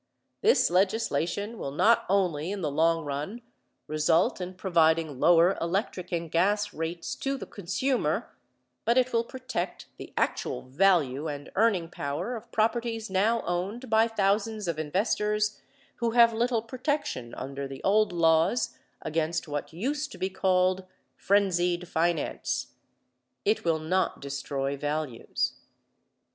This legislation will not only in the long run result in providing lower electric and gas rates to the consumer, but it will protect the actual value and earning power of properties now owned by thousands of investors who have little protection under the old laws against what used to be called frenzied finance. It will not destroy values.